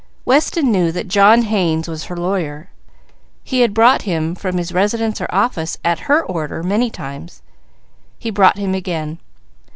Weston knew that John Haynes was her lawyer; he had brought him from his residence or office at her order many times; he brought him again.